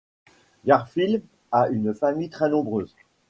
Garfield a une famille très nombreuse.